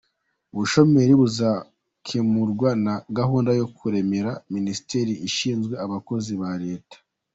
Ubushomeri buzakemurwa na gahunda yo kuremera Minisiteri ishinzwe abakozi ba Leta